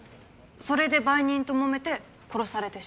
それで売人と揉めて殺されてしまった。